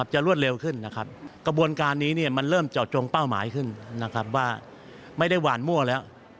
จอดจงเป้าหมายขึ้นว่าไม่ได้หวานมั่วแล้ว